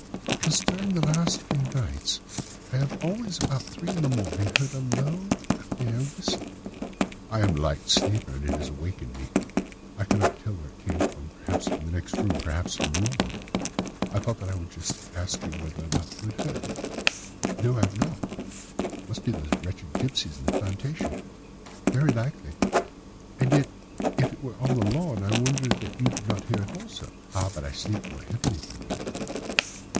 "'Because during the last few nights I have always, about three in the morning, heard a low, clear whistle. I am a light sleeper, and it has awakened me. I cannot tell where it came from—perhaps from the next room, perhaps from the lawn. I thought that I would just ask you whether you had heard it.' "'No, I have not. It must be those wretched gipsies in the plantation.' "'Very likely. And yet if it were on the lawn, I wonder that you did not hear it also.' "'Ah, but I sleep more heavily than you.